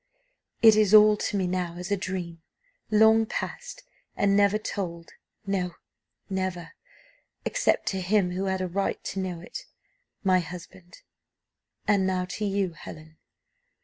"It is all to me now as a dream, long passed, and never told; no, never, except to him who had a right to know it my husband, and now to you, Helen.